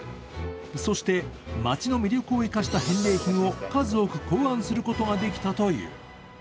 そして、町の魅力を生かした返礼品を数多く考案することができたという。